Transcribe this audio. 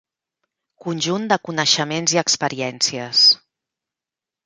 Conjunt de coneixements i experiències.